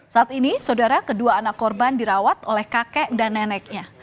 saat ini saudara kedua anak korban dirawat oleh kakek dan neneknya